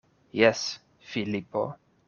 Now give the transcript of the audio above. Jes, Filipo.